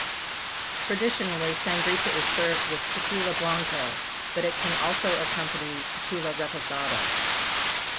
Traditionally, sangrita is served with tequila blanco, but it can also accompany tequila "reposado".